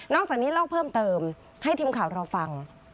จากนี้เล่าเพิ่มเติมให้ทีมข่าวเราฟัง